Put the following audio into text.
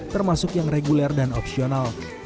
termasuk yang reguler dan opsional